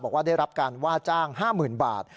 บอกว่าได้รับการว่าจ้าง๕๐๐๐บาท